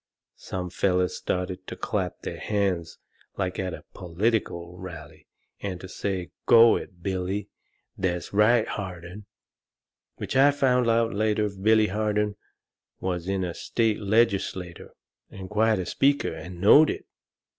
Some fellers started to clap their hands like at a political rally and to say, "Go it, Billy!" "That's right, Harden!" Which I found out later Billy Harden was in the state legislature, and quite a speaker, and knowed it.